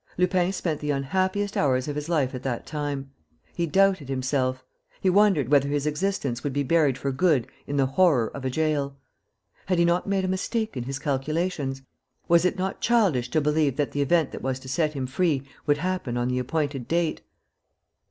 Lupin spent the unhappiest hours of his life at that time. He doubted himself. He wondered whether his existence would be buried for good in the horror of a jail. Had he not made a mistake in his calculations? Was it not childish to believe that the event that was to set him free would happen on the appointed date?